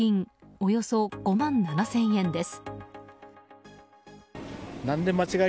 およそ５万７０００円です。